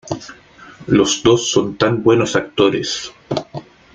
Los dos son tan buenos actores.